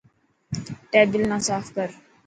ٽيبل نا ساف ڪر.